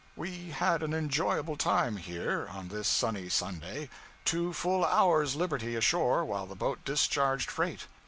We had an enjoyable time here, on this sunny Sunday: two full hours' liberty ashore while the boat discharged freight.